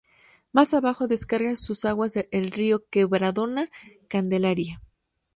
Más abajo descarga sus aguas el río Quebradona-Candelaria.